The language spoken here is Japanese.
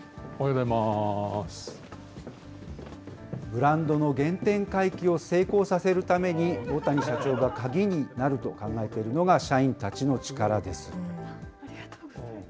ブランドの原点回帰を成功させるために、魚谷社長が鍵になると考えているのが、社員たちの力です。